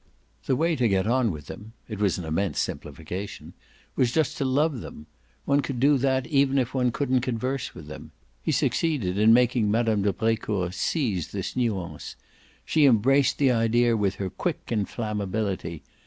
The way to get on with them it was an immense simplification was just to love them: one could do that even if one couldn't converse with them. He succeeded in making Mme. de Brecourt seize this nuance; she embraced the idea with her quick inflammability.